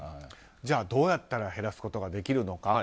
じゃあ、どうやったら減らすことができるのか。